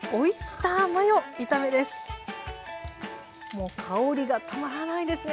もう香りがたまらないですね。